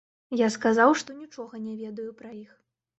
Я сказаў, што нічога не ведаю пра іх.